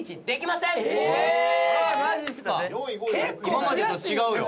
今までと違うよ。